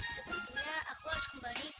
sebetulnya aku harus kembali